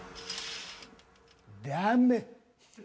ダメ。